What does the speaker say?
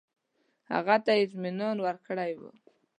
هغه ته یې اطمینان ورکړی وو.